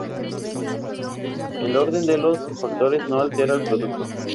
el orden de los factores no altera el producto